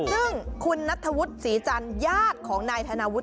ซึ่งคุณณัฐวุธศรีจันยาดของนายธนาวุธ